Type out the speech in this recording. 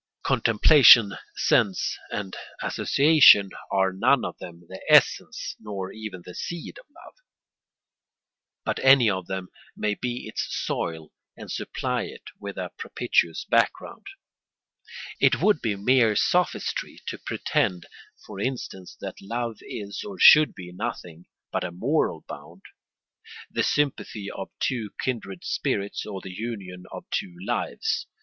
Contemplation, sense, and association are none of them the essence nor even the seed of love; but any of them may be its soil and supply it with a propitious background. It would be mere sophistry to pretend, for instance, that love is or should be nothing but a moral bond, the sympathy of two kindred spirits or the union of two lives.